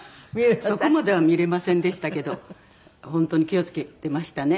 そこまでは見れませんでしたけど本当に気を付けてましたね。